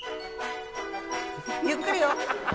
ゆっくりよ